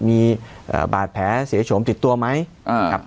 มีบาดแผลเสียโฉมติดตัวไหมครับ